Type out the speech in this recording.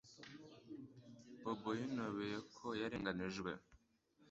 Bobo yinubiye ko yarenganijwe